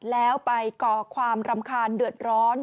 แล้วไปก่อความรำคาญเดือดร้อน